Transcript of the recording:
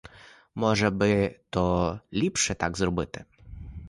Може би, то ліпше так зробити?